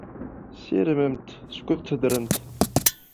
Ssirmemt, skud teddremt!